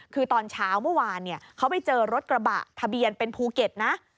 คือตอนเช้าเมื่อวานเขาไปเจอรถกระบะทะเบียนเป็นภูเก็ตนะ